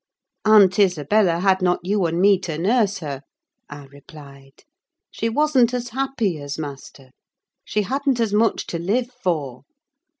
"Aunt Isabella had not you and me to nurse her," I replied. "She wasn't as happy as Master: she hadn't as much to live for.